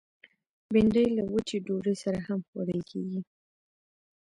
بېنډۍ له وچې ډوډۍ سره هم خوړل کېږي